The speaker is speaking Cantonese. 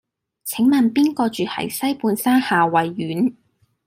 請問邊個住喺西半山夏蕙苑